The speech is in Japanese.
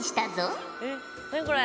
何これ？